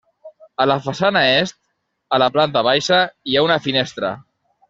A la façana est, a la planta baixa hi ha una finestra.